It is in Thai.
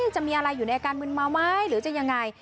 จะมีอะไรอยู่ในอาการมึนเมาไหมหรือจะยังไง